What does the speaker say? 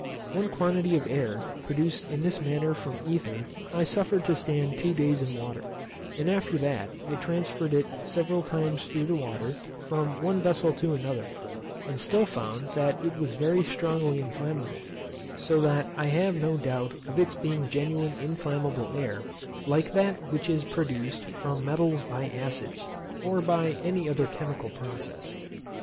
One quantity of air produced in this manner from ether I suffered to stand two days in water, and after that I transferred it several times through the water, from one vessel to another, and still found that it was very strongly inflammable; so that I have no doubt of its being genuine inflammable air, like that which is produced from metals by acids, or by any other chemical process.